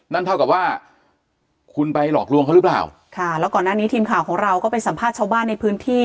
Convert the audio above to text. นั่นเท่ากับว่าคุณไปหลอกลวงเขาหรือเปล่าค่ะแล้วก่อนหน้านี้ทีมข่าวของเราก็ไปสัมภาษณ์ชาวบ้านในพื้นที่